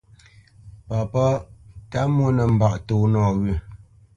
Papá Tə́mɔ́ nə́ mbâʼ tó nɔwyə́.